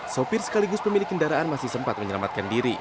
sopir sekaligus pemilik kendaraan masih sempat menyelamatkan diri